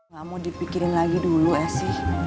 gak mau dipikirin lagi dulu ya sih